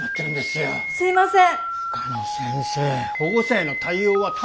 はいすいません。